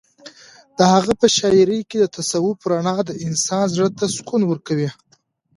د هغه په شاعرۍ کې د تصوف رڼا د انسان زړه ته سکون ورکوي.